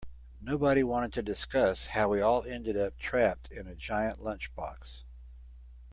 Nobody wanted to discuss how we all ended up trapped in a giant lunchbox.